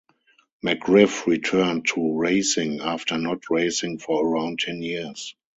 McGriff returned to racing after not racing for around ten years.